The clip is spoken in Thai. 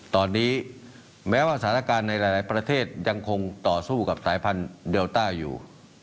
ตอนนี้แม้ว่าสถานการณ์ในหลายประเทศยังคงต่อสู้กับสายพันธุ์เดลต้าอยู่